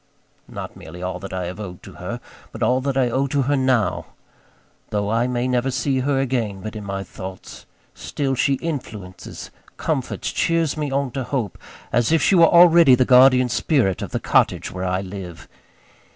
Not merely all that I have owed to her; but all that I owe to her now. Though I may never see her again, but in my thoughts; still she influences, comforts, cheers me on to hope, as if she were already the guardian spirit of the cottage where I live.